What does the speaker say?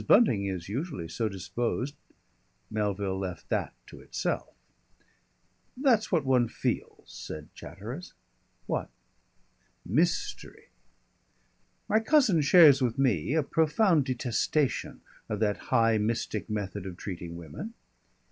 Bunting is usually so disposed " Melville left that to itself. "That's what one feels," said Chatteris. "What?" "Mystery." My cousin shares with me a profound detestation of that high mystic method of treating women.